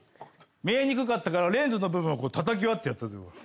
見えにくかったからレンズの部分を叩き割ってやったぜ。